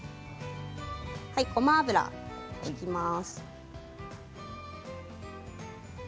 ごま油を引きます。